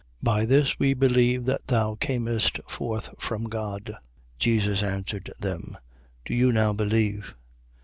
By this we believe that thou camest forth from God. 16:31. Jesus answered them: Do you now believe?